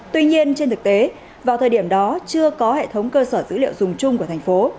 tuy nhiên trên thực tế vào thời điểm đó chưa có hệ thống cơ sở dữ liệu dùng chung của thành phố